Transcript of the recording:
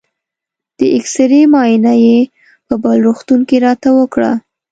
د اېکسرې معاینه یې په بل روغتون کې راته وکړه.